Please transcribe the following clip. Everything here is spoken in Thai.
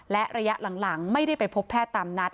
และระยะหลังไม่ได้ไปพบแพทย์ตามนัด